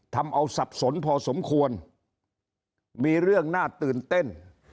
ทำเอาสับสนพอสมควรมีเรื่องน่าตื่นเต้น